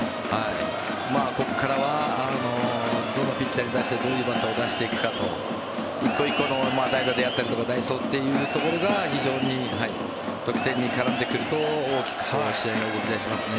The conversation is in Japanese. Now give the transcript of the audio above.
ここからはどのピッチャーに対してどういうバッターを出していくかと１個１個の代打であったり代走というところが非常に得点に絡んでくると大きく試合が動き出しますね。